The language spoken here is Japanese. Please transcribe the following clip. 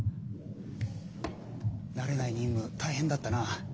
慣れない任務大変だったな。